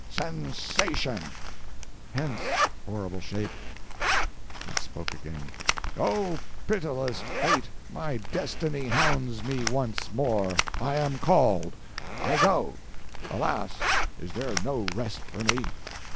"SENSATION!" "Hence, horrible shape!" It spoke again: "Oh pitiless fate, my destiny hounds me once more. I am called. I go. Alas, is there no rest for me?"